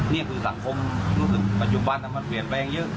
นี่คือสังคมรู้สึกปัจจุบันมันเปลี่ยนแปลงเยอะ